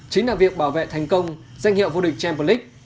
chính là việc bảo vệ thành công danh hiệu vô địch champions league